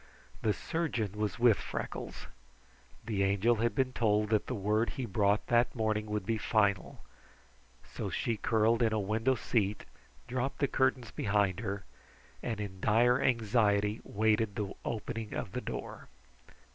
The surgeon was with Freckles. The Angel had been told that the word he brought that morning would be final, so she curled in a window seat, dropped the curtains behind her, and in dire anxiety, waited the opening of the door.